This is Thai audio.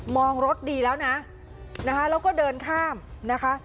องรถดีแล้วนะนะคะแล้วก็เดินข้ามนะคะ